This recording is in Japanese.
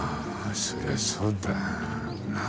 そりゃそうだなぁ。